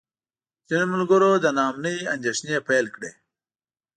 ځینو ملګرو د نا امنۍ اندېښنې پیل کړې.